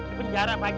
di penjara pak gi